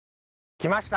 来ました！